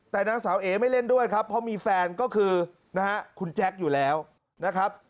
แต่นางสาวเอไม่เล่นด้วยครับเพราะมีแฟนก็คือนะฮะคุณแจ๊คอยู่แล้วนะครับ